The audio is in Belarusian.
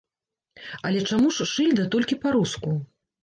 Але чаму ж шыльда толькі па-руску?